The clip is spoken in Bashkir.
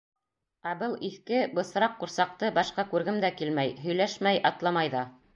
Ә был иҫке, бысраҡ ҡурсаҡты башҡа күргем дә килмәй... һөйләшмәй, атламай ҙа.